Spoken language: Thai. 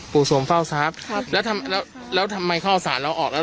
ปู่โสมเฝ้าทรัพย์ครับครับแล้วทำแล้วแล้วทำไมเขาเอาสารเราออกแล้ว